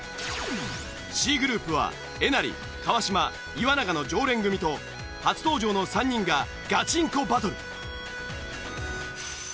Ｃグループはえなり川島岩永の常連組と初登場の３人がガチンコバトル。